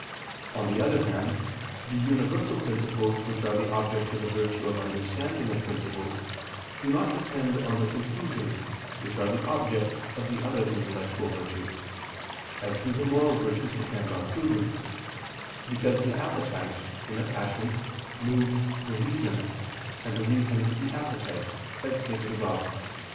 On the other hand, the universal principles which are the object of the virtue of understanding of principles, do not depend on the conclusions, which are the objects of the other intellectual virtues, as do the moral virtues depend on prudence, because the appetite, in a fashion, moves the reason, and the reason the appetite, as stated above (Q.